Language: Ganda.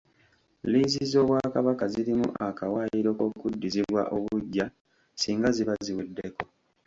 Liizi z’Obwakabaka zirimu akawaayiro k'okuddizibwa obuggya singa ziba ziweddeko.